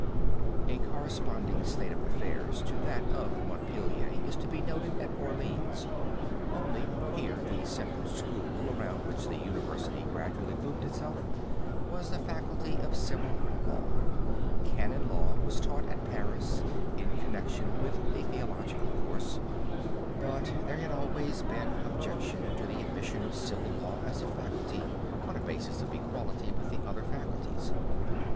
A corresponding state of affairs to that of Montpelier is to be noted at Orleans, only here the central school, around which the university gradually grouped itself, was the Faculty of Civil Law. Canon law was taught at Paris in connection with the theological course, but there had always been objection to the admission of civil law as a faculty on a basis of equality with the other faculties.